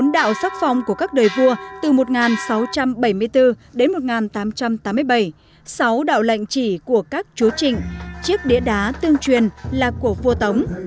đạo sắc phong của các đời vua từ một nghìn sáu trăm bảy mươi bốn đến một nghìn tám trăm tám mươi bảy sáu đạo lệnh chỉ của các chúa trịnh chiếc đĩa đá tương truyền là của vua tống